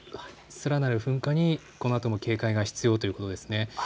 さらなる噴火に警戒が必要ということですね。